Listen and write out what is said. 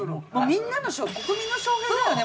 みんなの国民の翔平だよね